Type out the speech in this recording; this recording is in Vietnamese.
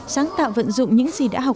sáng tạo vận dụng những gì đã học